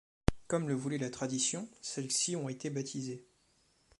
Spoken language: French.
Comme le voulait la tradition, celles-ci ont été baptisées.